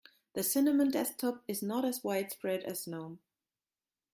The cinnamon desktop is not as widespread as gnome.